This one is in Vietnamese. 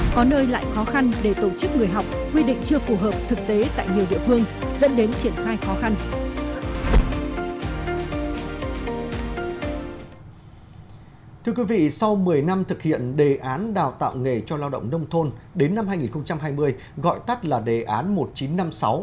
có nơi lại khó khăn để tổ chức người học quy định chưa phù hợp thực tế tại nhiều địa phương dẫn đến triển khai khó khăn